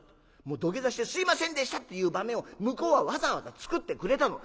土下座して『すいませんでした』っていう場面を向こうはわざわざ作ってくれたの。